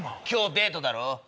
今日デートだろ？